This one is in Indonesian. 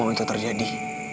kamu mau itu terjadi